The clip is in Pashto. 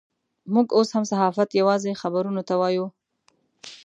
موږ اوس هم صحافت یوازې خبرونو ته وایو.